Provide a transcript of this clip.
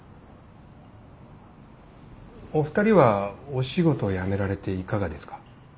お二人はお仕事辞められていかがですか？